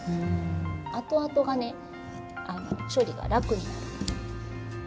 あとあとがね処理が楽になる。